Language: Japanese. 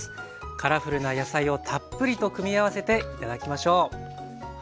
カラフルな野菜をたっぷりと組み合わせて頂きましょう。